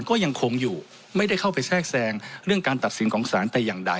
ก็ยังคงอยู่ไม่ได้เข้าไปแทรกแซงเรื่องการตัดสินของสารแต่อย่างใด